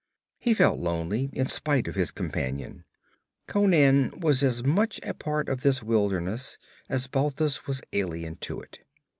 He felt lonely, in spite of his companion. Conan was as much a part of this wilderness as Balthus was alien to it.